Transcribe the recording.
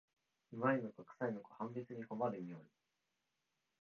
旨いのかくさいのか判別に困る匂い